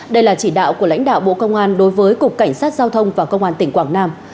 đây là chỉ đạo của lãnh đạo bộ công an đối với cục cảnh sát giao thông và công an tỉnh quảng nam